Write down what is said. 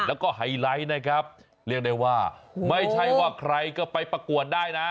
แล้วก็ไฮไลท์นะครับเรียกได้ว่าไม่ใช่ว่าใครก็ไปประกวดได้นะ